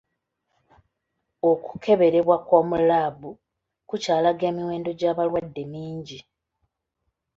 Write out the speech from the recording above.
Okukeberebwa kw'omu laabu kukyalaga emiwendo gy'abalwadde mingi.